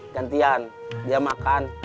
gantian dia makan